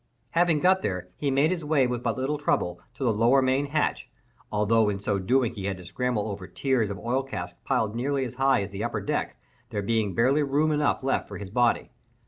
Having got here, he made his way with but little trouble to the lower main hatch, although in so doing he had to scramble over tiers of oil casks piled nearly as high as the upper deck, there being barely room enough left for his body.